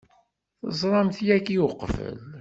Teẓramt-t yagi uqbel?